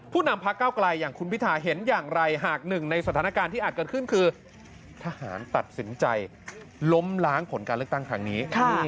นำพระเก้าไกลอย่างคุณพิทาเห็นอย่างไรหากหนึ่งในสถานการณ์ที่อาจเกิดขึ้นคือทหารตัดสินใจล้มล้างผลการเลือกตั้งครั้งนี้